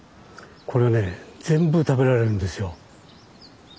これはね全部食べられるんですよ。